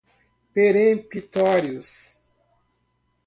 peremptórios